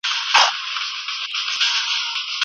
علمي خلا د مطالعې په واسطه ډکېږي.